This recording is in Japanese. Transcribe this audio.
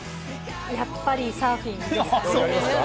やっぱりサーフィンですかね。